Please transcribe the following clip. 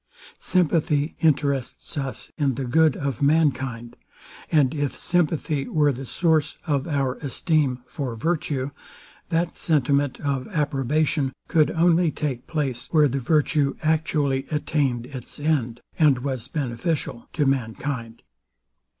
Sympathy interests us in the good of mankind; and if sympathy were the source of our esteem for virtue, that sentiment of approbation could only take place, where the virtue actually attained its end, and was beneficial to mankind.